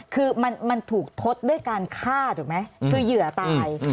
คือมันถูกทดด้วยการฆ่าถูกไหมคือเหยื่อตาย